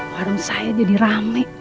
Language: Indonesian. warung saya menjadi rame